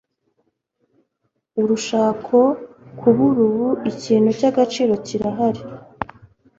urushaho kubura ubu, ikintu cy'agaciro kirahari. - eckhart tolle